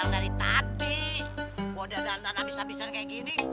dari tadi udah habis habisan kayak gini